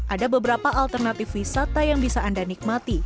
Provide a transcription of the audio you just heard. ada beberapa alternatif wisata yang bisa anda nikmati